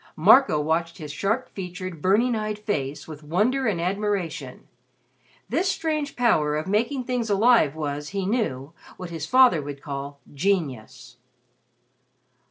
Marco watched his sharp featured, burning eyed face with wonder and admiration. This strange power of making things alive was, he knew, what his father would call "genius."